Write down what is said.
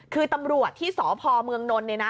คือตำรวจที่สพเมืองนนท์เนี่ยนะ